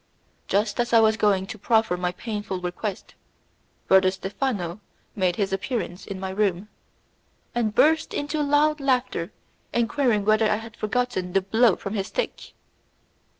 Just as I was going to proffer my painful request, Brother Stephano made his appearance in my room, and burst into loud laughter enquiring whether I had forgotten the blow from his stick!